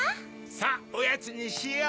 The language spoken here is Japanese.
さぁおやつにしよう。